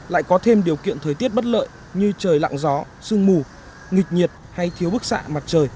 lại có thêm điều kiện thời tiết bất lợi như trời lặng gió sương mù nghịch nhiệt hay thiếu bức xạ mặt trời